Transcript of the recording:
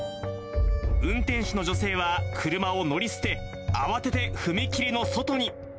運転手の女性は車を乗り捨て、慌てて踏切の外に。